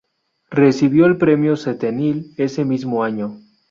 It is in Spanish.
Recibió el Premio Setenil ese mismo año.